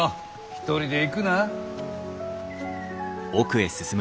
一人で行くな。